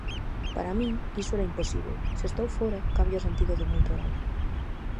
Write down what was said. Para min iso era imposíbel: se estou fóra, cambia o sentido do meu traballo.